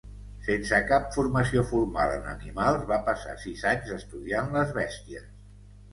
Sense cap formació formal en animals, va passar sis anys estudiant les bèsties.